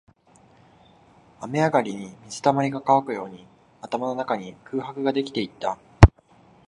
雨上がりに水溜りが乾くように、頭の中に空白ができていった